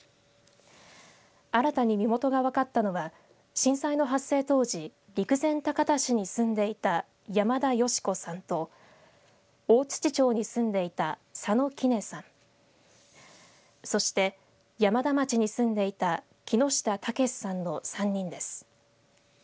新たに身元が分かったのは震災の発生当時陸前高田市に住んでいた山田ヨシ子さんと大槌町に住んでいた佐野キネさんそして山田町に住んでいた木下健さんの３人です。